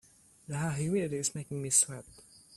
The high humidity is making me sweat.